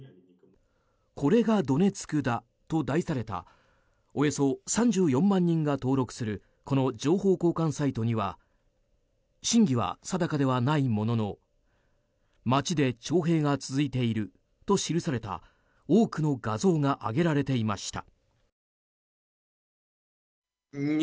「これがドネツクだ」と題されたおよそ３４万人が登録するこの情報交換サイトには真偽は定かではないものの街で徴兵が続いていると記された多くの画像が上げられていました。